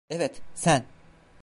Evet, sen.